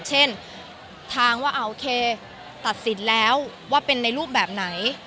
เช่นทางว่าโอเคตัดสินแล้วว่าเป็นในรูปแบบไหน